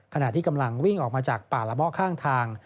ขณะที่กำลังวิ่งออกมาจากป่าละเมาะข้างทาง